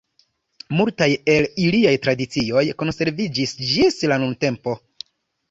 Multaj el iliaj tradicioj konserviĝis ĝis la nuntempo.